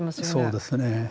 そうですね。